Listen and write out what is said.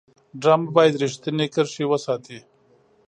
ډرامه باید رښتینې کرښې وساتي